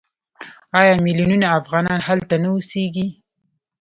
آیا میلیونونه افغانان هلته نه اوسېږي؟